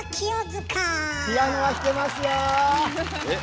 ピアノは弾けますよ。